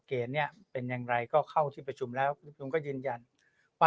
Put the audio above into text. เกณฑ์เนี่ยเป็นอย่างไรก็เข้าที่ประชุมแล้วก็ยืนยันว่า